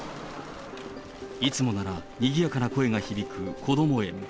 いつもなら、にぎやかな声が響くこども園。